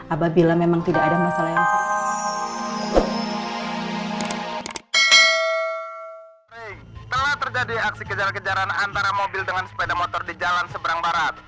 apabila memang tidak ada masalah yang